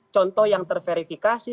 contoh yang terverifikasi